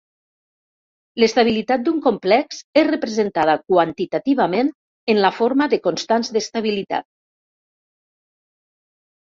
L'estabilitat d'un complex és representada quantitativament en la forma de constants d'estabilitat.